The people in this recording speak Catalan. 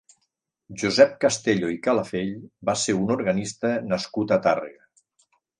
Josep Castelló i Calafell va ser un organista nascut a Tàrrega.